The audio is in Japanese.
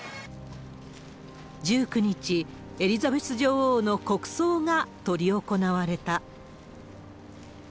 １９日、エリザベス女王の国葬が執り行われた。